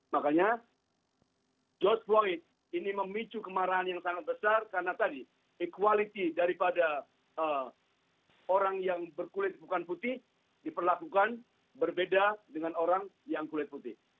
makanya george floyd ini memicu kemarahan yang sangat besar karena tadi equality daripada orang yang berkulit bukan putih diperlakukan berbeda dengan orang yang kulit putih